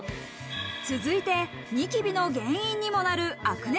続いてニキビの原因にもなるアクネ